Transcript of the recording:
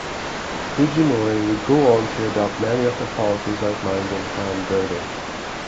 Fujimori would go on to adopt many of the policies outlined in Plan Verde.